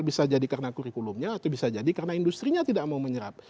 bisa jadi karena kurikulumnya atau bisa jadi karena industri nya tidak mau menyerap